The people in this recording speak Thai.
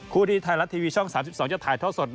คู่ที่ไทยรัฐทีวีช่อง๓๒จะถ่ายท่อสด